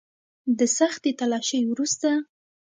د سختې تلاشۍ وروسته.